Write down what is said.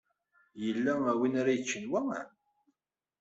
Yella wi ara yeččen wa?